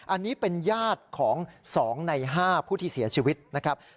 อันนี้เป็นญาติของ๒ใน๕ผู้ที่เสียชีวิตนะครับ